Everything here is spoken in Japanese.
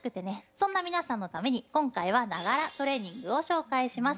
そんな皆さんのために今回は「ながらトレーニング」を紹介します。